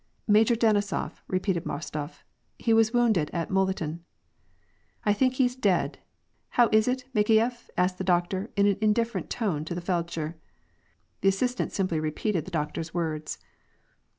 " Major Denisof," repeated Bostof ." He was wounded at Moliten." " I think he's dead. How is it, Makeyef ?" asked the doc tor, in an indifferent tone of the feldsher. The assistant simply repeated the doctor's words.